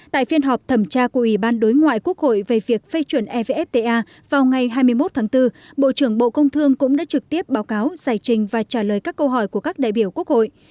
tại phiên họp thẩm tra của ủy ban đối ngoại quốc hội về việc phê chuẩn evfta vào ngày hai mươi một tháng bốn bộ trưởng bộ công thương cũng đã trực tiếp báo cáo giải trình và trả lời các câu hỏi của các đại biểu quốc hội